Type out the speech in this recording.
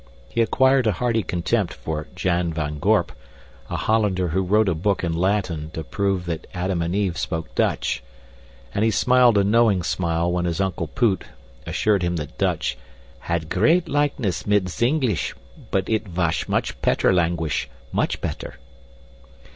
He acquired a hearty contempt for Jan van Gorp, a Hollander who wrote a book in Latin to prove that Adam and Eve spoke Dutch, and he smiled a knowing smile when his uncle Poot assured him that Dutch "had great likeness mit Zinglish but it vash much petter languish, much petter."